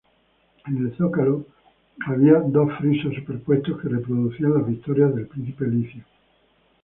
En el zócalo había dos frisos superpuestos que reproducían las victorias del príncipe licio.